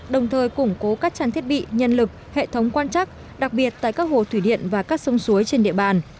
đồng thời củng cố các trang thiết bị nhân lực hệ thống quan chắc đặc biệt tại các hồ thủy điện và các sông suối trên địa bàn